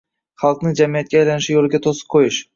– xalqning jamiyatga aylanishi yo‘liga to‘siq qo‘yish